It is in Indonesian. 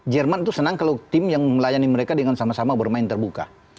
jerman itu senang kalau tim yang melayani mereka dengan sama sama bermain terbuka